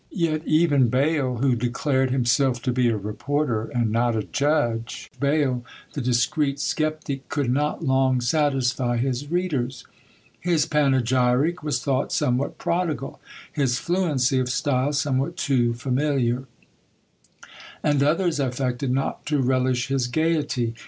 Yet even BAYLE, who declared himself to be a reporter, and not a judge, BAYLE, the discreet sceptic, could not long satisfy his readers. His panegyric was thought somewhat prodigal; his fluency of style somewhat too familiar; and others affected not to relish his gaiety.